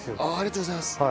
ありがとうございます。